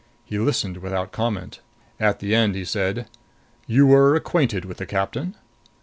He listened without comment. At the end he said: "You were acquainted with the captain?"